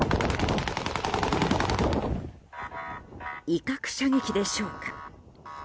威嚇射撃でしょうか。